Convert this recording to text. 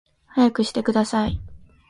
速くしてください